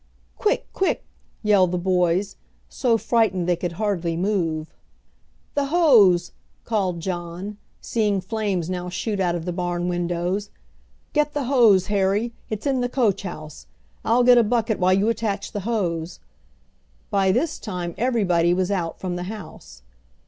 "Quick! quick!" yelled the boys, so frightened they could hardly move. "The hose!" called John, seeing flames now shoot out of the barn windows, "Get the hose, Harry; it's in the coach house. I'll get a bucket while you attach the hose." By this time everybody was out from the house.